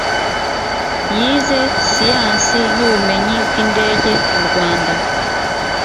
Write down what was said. yize siyansi n’ubumenyi bw’iby’indege mu rwanda